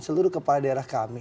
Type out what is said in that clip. seluruh kepala daerah kami